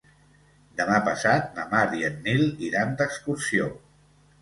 Demà passat na Mar i en Nil iran d'excursió.